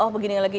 oh begini lagi